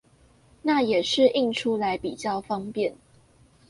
那也是印出來比較方便